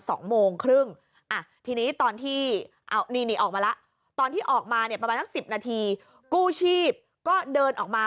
สองโมงครึ่งที่นี่ตอนที่ออกมาแล้วตอนที่ออกมาเนี่ยประมาณ๑๐นาทีกู้ชีพก็เดินออกมา